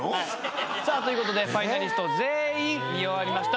さあということでファイナリスト全員見終わりました。